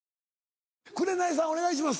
紅さんお願いします。